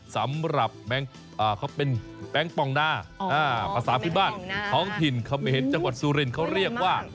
สำหรับแมงปองนาภาษาพิบัติของถิ่นเขาไม่เห็นจังหวัดซูรินทร์เขาเรียกว่า